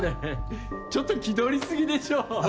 ちょっと気取り過ぎでしょ！